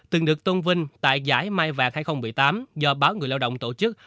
từng được tôn vinh tại giải mai vàng hai nghìn một mươi tám do báo người lao động tổ chức